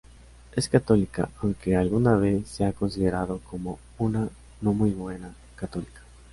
Es católica, aunque alguna vez se ha considerado como "una no muy buena católica.